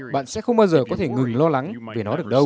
bạn sẽ không bao giờ có thể ngừng lo lắng về nó được đâu